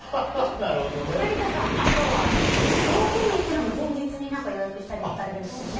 成田さん、あとは遠くに行くのも前日に予約したりされるんですよね？